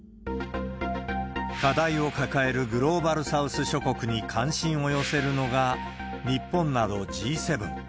課題を抱えるグローバルサウス諸国に関心を寄せるのが、日本などＧ７。